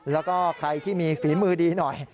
แล้วก็ใครที่มีฝีมือดีหน่อย